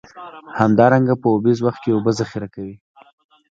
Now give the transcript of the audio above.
همدارنګه په اوبیز وخت کې اوبه ذخیره کوي.